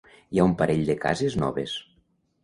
Hi ha un parell de cases noves.